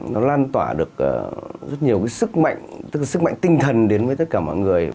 nó lan tỏa được rất nhiều cái sức mạnh tinh thần đến với tất cả mọi người